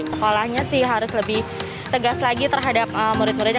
sekolahnya sih harus lebih tegas lagi terhadap murid muridnya